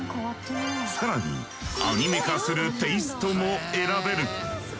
更にアニメ化するテイストも選べる！